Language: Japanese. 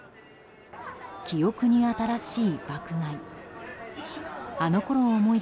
記憶に新しい爆買い。